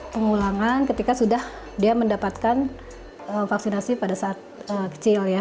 pengulangan ketika sudah dia mendapatkan vaksinasi pada saat kecil ya